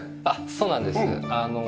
そうなんです。